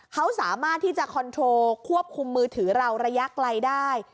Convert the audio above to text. เขาสามารถที่จะคอนโทรควบคุมมือถือเราระยะไกลได้